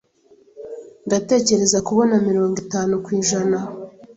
ndatekereza kubona mirongo itanu kwijana